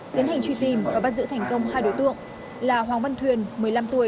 tiến hành truy tìm và bắt giữ thành công hai đối tượng là hoàng văn thuyền một mươi năm tuổi